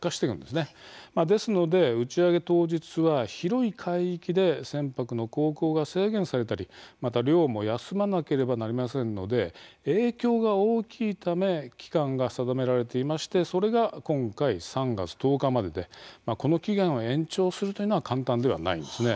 ですので、打ち上げ当日は広い海域で船舶の航行が制限されたりまた、漁も休まなければなりませんので影響が大きいため期間が定められていましてそれが今回、３月１０日まででこの期限を延長するのは簡単ではないんですね。